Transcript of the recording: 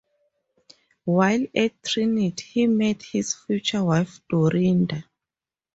While at Trinity, he met his future wife, Dorinda.